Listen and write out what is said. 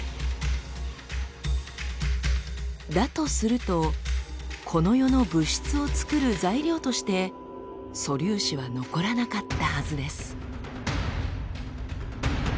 だとするとこの世の物質を作る材料として素粒子は残らなかったはずです。